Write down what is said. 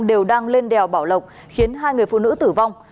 đều đang lên đèo bảo lộc khiến hai người phụ nữ tử vong